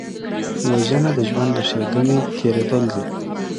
وژنه د ژوند له ښېګڼې تېرېدل دي